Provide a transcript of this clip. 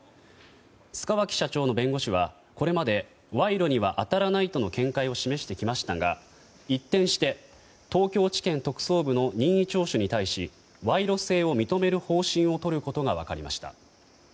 塚脇社長の弁護士はこれまで賄賂には当たらないとの見解を示してきましたが一転して東京地検特捜部の任意聴取に対し賄賂性を認める方針をとることが分かりました。